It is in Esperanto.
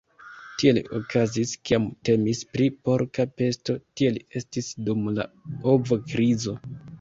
Tiel okazis kiam temis pri porka pesto, tiel estis dum la ovo-krizo.